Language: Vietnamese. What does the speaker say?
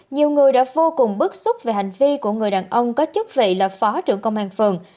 nhiều người đã vô cùng bức xúc về hành vi của người đàn ông có chức vị là phó trưởng công an phường